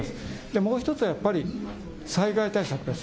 もう１つはやっぱり災害対策です。